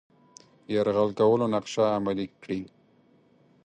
یرغل کولو نقشه عملي کړي.